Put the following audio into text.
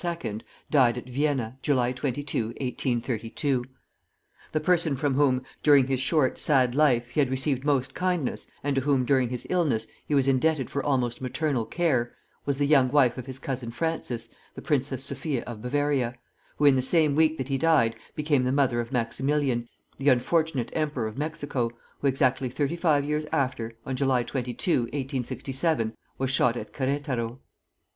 died at Vienna, July 22, 1832. The person from whom, during his short, sad life, he had received most kindness, and to whom, during his illness, he was indebted for almost maternal care, was the young wife of his cousin Francis, the Princess Sophia of Bavaria, who in the same week that he died, became the mother of Maximilian, the unfortunate Emperor of Mexico, who, exactly thirty five years after, on July 22, 1867, was shot at Queretaro.